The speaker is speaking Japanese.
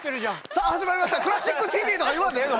さあ始まりました「クラシックＴＶ」！とか言わんでええの？